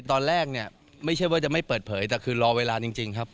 ตอนแรกเนี่ยไม่ใช่ว่าจะไม่เปิดเผยแต่คือรอเวลาจริงครับ